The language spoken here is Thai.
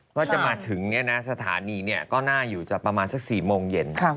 เพราะจะมาถึงสถานีก็น่าอยู่จะประมาณสัก๔โมงเย็น